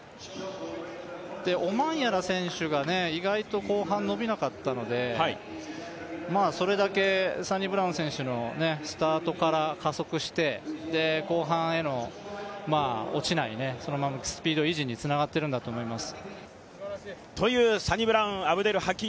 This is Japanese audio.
オマンヤラ選手が意外と後半伸びなかったのでそれだけサニブラウン選手のスタートから加速して、後半への落ちないスピード維持につながってるんだと思います。